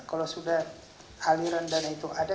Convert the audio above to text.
kalau sudah aliran dana itu ada